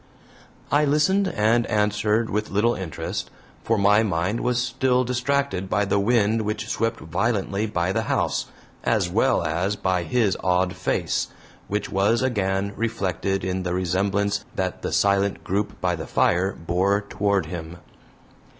I listened and answered with little interest, for my mind was still distracted by the wind which swept violently by the house, as well as by his odd face, which was again reflected in the resemblance that the silent group by the fire bore toward him.